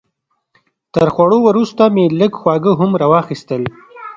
تر خوړو وروسته مې لږ خواږه هم راواخیستل.